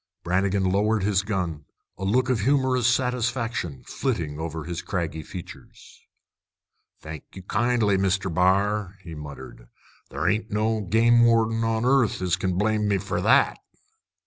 Brannigan lowered his gun, a look of humorous satisfaction flitting over his craggy features. "Thank you, kindly, Mr. B'ar," he muttered. "Ther ain't no game warden on 'arth as kin blame me for that!"